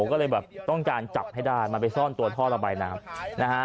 ก็เลยต้องการจับให้ได้มาไปซ่อนตัวท่อระบายน้ำ